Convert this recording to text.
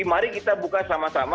jadi mari kita buka sama sama